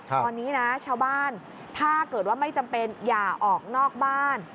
ตอนนี้นะชาวบ้านถ้าเกิดว่าไม่จำเป็นอย่าออกนอกบ้าน